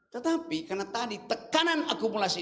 tetapi karena tadi tekanan akumulasi